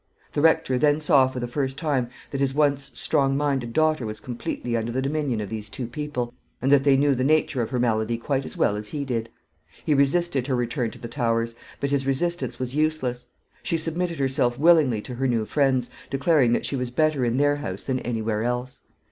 The Rector then saw for the first time that his once strong minded daughter was completely under the dominion of these two people, and that they knew the nature of her malady quite as well as he did. He resisted her return to the Towers; but his resistance was useless. She submitted herself willingly to her new friends, declaring that she was better in their house than anywhere else.